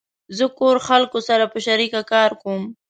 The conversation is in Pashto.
زه کور خلقو سره په شریکه کار کوم